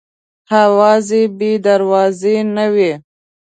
اوازې بې دروازې نه وي.